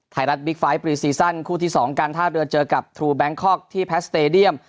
ไทยรัฐบิ๊กไฟล์ปรีซีสันคู่ที่สองการท่าเดินเจอกับทรูแบงคอกที่แพทส์สเตรดียม